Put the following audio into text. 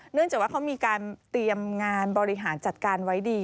เนื่องจากว่าเขามีการเตรียมงานบริหารจัดการไว้ดี